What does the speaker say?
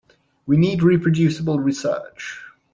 We need reproducible research.